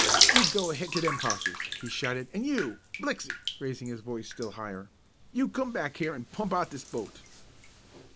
"You go ahead to them hosses," he shouted; "and you, Blixey," raising his voice still higher, "you come back here an' pump out this boat!"